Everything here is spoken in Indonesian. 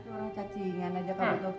orang cacingan aja